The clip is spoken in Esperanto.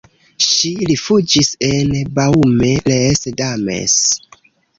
Ŝi rifuĝis en Baume-les-Dames.